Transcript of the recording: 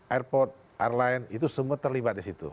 airport airline itu semua terlibat di situ